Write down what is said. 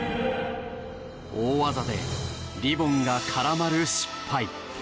大技で、リボンが絡まる失敗。